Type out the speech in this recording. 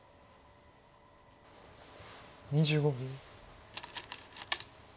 ２５秒。